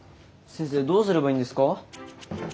先生どうすればいいんですか？